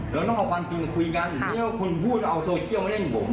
เราต้องเอาความจริงมาคุยกันเมื่อคุณพูดเอาโซเชียลมาเล่นผม